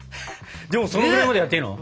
でもそのくらいまでやっていいの？